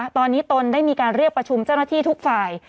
ตอนนี้ตนได้มีการเรียกประชุมเจ้าหน้าที่ทุกฝ่าย